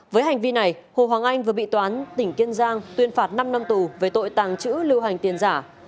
với hành vi này hồ hoàng anh vừa bị toán tỉnh kiên giang tuyên phạt năm năm tù về tội tàng trữ lưu hành tiền giả